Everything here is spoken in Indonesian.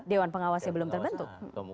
dewan pengawasnya belum terbentuk